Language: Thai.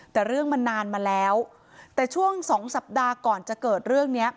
แต่เรื่องมันนานมาแล้วแต่ช่วงสองสัปดาห์ก่อนจะเกิดเรื่องเนี้ย